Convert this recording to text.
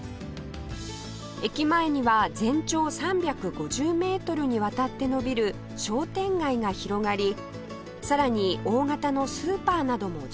駅前には全長３５０メートルにわたって延びる商店街が広がりさらに大型のスーパーなども充実